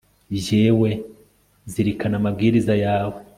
jyewe nzirikana amabwiriza yawe